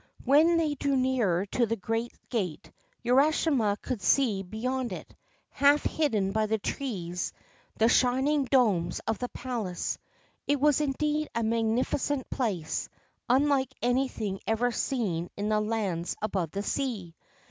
When they drew nearer to the great gate, Urashima could see beyond it, half hidden by the trees, the shining domes of the palace. It was indeed a magnificent place, unlike anything ever seen in the lands above the sea.